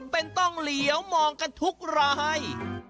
เป็นต้องเหลียวมองกันทุกราย